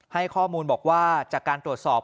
ให้ข้อมูลบอกว่าจากการตรวจสอบ